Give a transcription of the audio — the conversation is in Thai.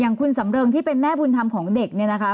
คุณสำเริงที่เป็นแม่บุญธรรมของเด็กเนี่ยนะคะ